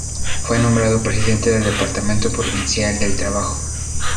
Fue nombrado Presidente del Departamento Provincial del Trabajo.